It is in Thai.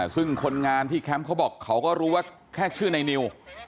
ซึ่งคนงานที่แคมป์เขาบอกเขาก็รู้ว่าแค่ชื่อในนิว